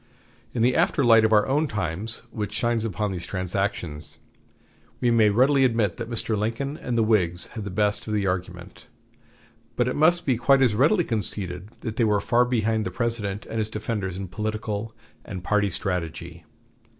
In the after light of our own times which shines upon these transactions, we may readily admit that Mr. Lincoln and the Whigs had the best of the argument, but it must be quite as readily conceded that they were far behind the President and his defenders in political and party strategy.